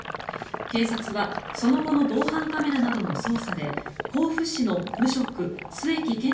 警察はその後の防犯カメラなどの捜査で甲府市の無職・末木健兒